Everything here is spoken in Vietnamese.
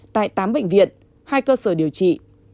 tại tám bệnh viện hai cơ sở điều trị